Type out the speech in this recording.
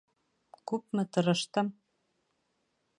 Күпме тырыштым...